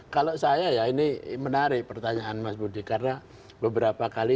kalau saya ya ini menarik pertanyaan mas budi karena beberapa kali